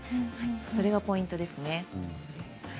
それがポイントですね。